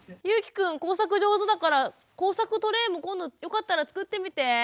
ゆうきくん工作上手だから工作トレーも今度よかったら作ってみて。